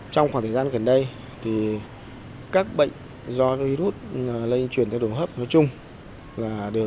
trong khoảng thời gian gần đây các bệnh do virus lây truyền theo đồng hấp nói chung là đều